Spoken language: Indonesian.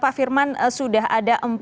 pak firman sudah ada